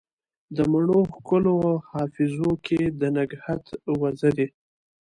د مڼو ښکلو حافظو کې دنګهت وزرې